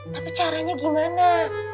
tapi caranya gimana